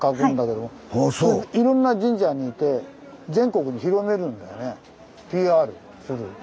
いろんな神社にいて全国に広めるんだよね。